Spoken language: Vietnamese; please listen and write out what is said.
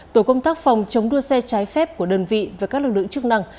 tổ công tác phòng chống đua xe trái phép của đơn vị và các lực lượng chức năng